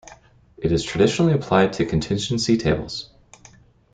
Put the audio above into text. It is traditionally applied to contingency tables.